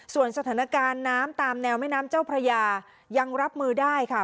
ส่วนสถานการณ์น้ำตามแนวแม่น้ำเจ้าพระยายังรับมือได้ค่ะ